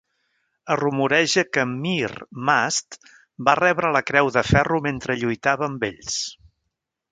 Es rumoreja que Mir Mast va rebre la Creu de Ferro mentre lluitava amb ells.